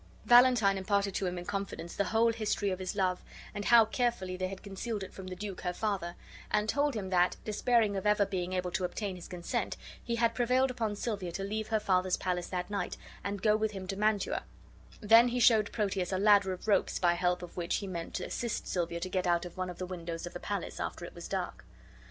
Valentine imparted to him in confidence the whole history of his love, and how carefully they had concealed it from the duke her father, and told him that, despairing of ever being able to obtain his consent, he had prevailed upon Silvia to leave her father's palace that night and go with him to Mantua; then he showed Proteus a ladder of ropes by help of which he meant to assist Silvia to get out of one of the windows of the palace after it was dark.